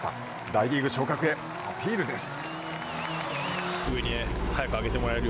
大リーグ昇格へアピールです。